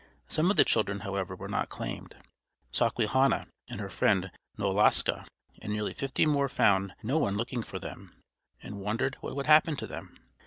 Some of the children, however, were not claimed. Sawquehanna and her friend Knoloska and nearly fifty more found no one looking for them and wondered what would happen to them.